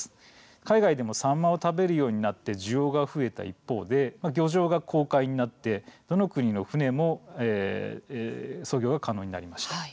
海外でもサンマを食べるようになって、需要が増えた一方で漁場が公海になってどの国の船も操業が可能になりました。